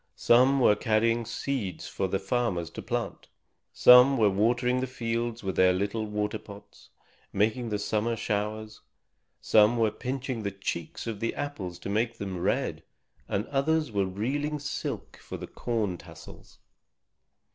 Some were carrying seeds for the farmers to plant. Some were watering the fields with their little water pots, making the summer showers. Some were pinching the cheeks of the apples to make them red, and others were reeling silk for the corn tassels.